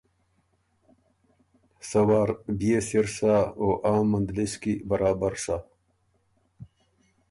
سۀ وار بيې سِر سۀ او عام مندلِس کی برابر سَۀ۔